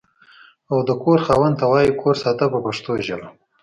او د کور خاوند ته وایي کور ساته په پښتو ژبه.